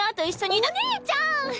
お姉ちゃん！